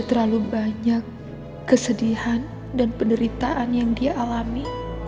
terlalu banyak kesedihan dan penderitaan yang dia alami